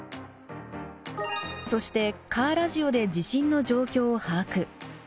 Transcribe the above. そしてカーラジオで地震の状況を把握。